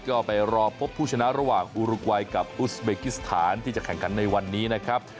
ก็ไปรอพบผู้ชนะระหว่างอุรุกวัยกับอุสเบกิสถานที่จะแข่งขันในวันนี้นะครับ